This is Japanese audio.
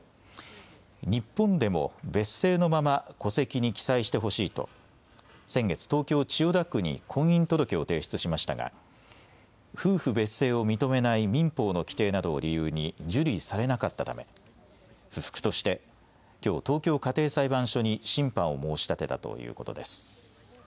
日本でも別姓のまま戸籍に記載してほしいと先月、東京千代田区に婚姻届を提出しましたが夫婦別姓を認めない民法の規定などを理由に受理されなかったため不服としてきょう東京家庭裁判所に審判を申し立てたということです。